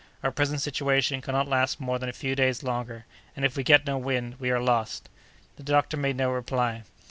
Our present situation cannot last more than a few days longer, and if we get no wind, we are lost." The doctor made no reply.